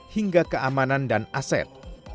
hingga keamanan dan aset